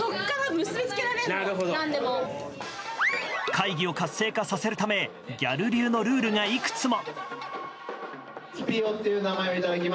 会議を活性化させるためギャル流のルールがいくつも。